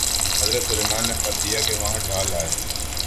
حضرت سلیمان نے خط دیا کہ وہاں ڈال آئے۔